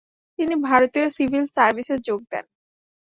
তিনি ভারতীয় সিভিল সার্ভিসে যোগ দেন।